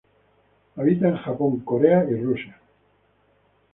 Habita en Japón, Corea y Rusia.